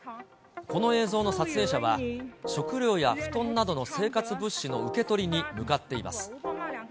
この映像の撮影者は、食料や布団などの生活物資の受け取りに向かっています。